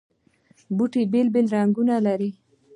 بوټونه بېلابېل رنګونه لري.